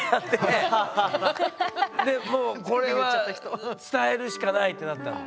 もうこれは伝えるしかないってなったんだ。